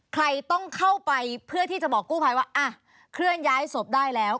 ใครต้องเข้าไปเพื่อที่จะบอกกู้ภัยว่าอ่ะเคลื่อนย้ายศพได้แล้ว